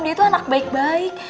dia itu anak baik baik